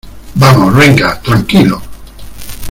vamos. venga . tranquilo .